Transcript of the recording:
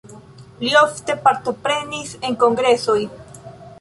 Li ofte partoprenis en kongresoj.